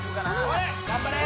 頑張れ！